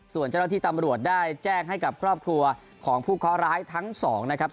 ส่วนเจ้าหน้าที่ตำรวจได้แจ้งให้กับครอบครัวของผู้เคาะร้ายทั้งสองนะครับ